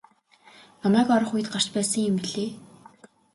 Намайг орох үед гарч байсан юм билээ.